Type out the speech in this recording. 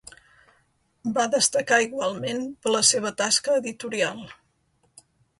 Va destacar igualment per la seva tasca editorial.